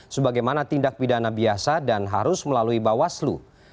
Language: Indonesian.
sebagaimana tindak pidana biasa dan harus melalui bawah slu